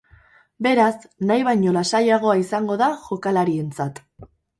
Beraz, nahi baino aste lasaiagoa izango da jokalarientzat.